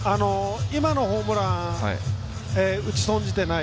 今のホームラン打ち損じていない